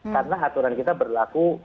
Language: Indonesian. karena aturan kita berlaku